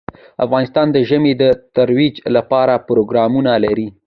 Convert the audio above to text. افغانستان د ژبې د ترویج لپاره پروګرامونه لري.